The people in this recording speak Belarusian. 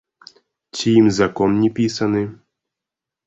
Ці ім закон не пісаны?